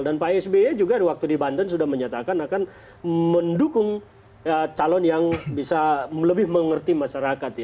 dan pak sby juga waktu di banten sudah menyatakan akan mendukung calon yang bisa lebih mengerti masyarakat